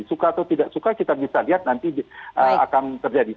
suka atau tidak suka kita bisa lihat nanti akan terjadi